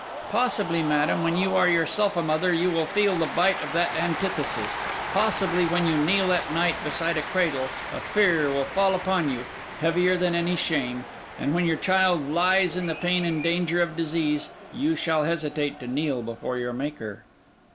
Possibly, madam, when you are yourself a mother, you will feel the bite of that antithesis: possibly when you kneel at night beside a cradle, a fear will fall upon you, heavier than any shame; and when your child lies in the pain and danger of disease, you shall hesitate to kneel before your Maker.